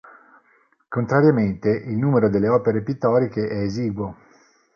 Contrariamente, il numero delle opere pittoriche è esiguo.